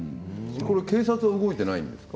これは警察は動いていないんですか。